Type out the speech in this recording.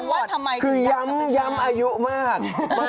ไม่รู้ว่าทำไมเงี้ยนหรือไม่รู้ว่าคือย้ำย้ำอายุมาก